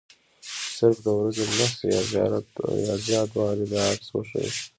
صرف د ورځې لس یا زیات وارې دا عکس وښيي.